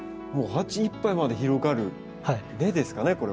もう鉢いっぱいまで広がる根ですかね